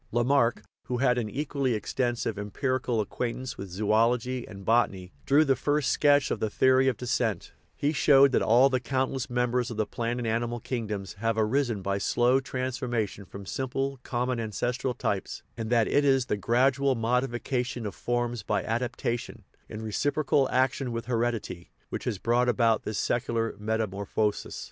Lamarck, who had an equally extensive em pirical acquaintance with zoology and botany, drew the first sketch of the theory of descent; he showed 251 THE RIDDLE OF THE UNIVERSE that all the countless members of the plant and animal kingdoms have arisen by slow transformation from simple, common ancestral types, and that it is the gradual modification of forms by adaptation, in recip rocal action with heredity, which has brought about this secular metamorphosis.